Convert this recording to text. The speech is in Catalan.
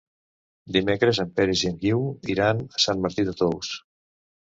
Dimecres en Peris i en Guiu iran a Sant Martí de Tous.